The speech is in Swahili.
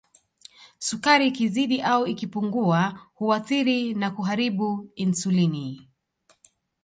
Sukari ikizidi au ikipungua huathiri na kuharibu Insulini